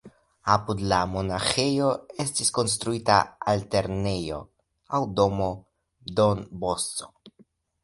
Apud la monaĥejo estis konstruita altlernejo aŭ domo Don Bosco.